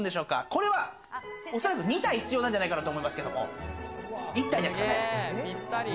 これは恐らく、２体必要じゃないかなと思いますけど、１体ですか？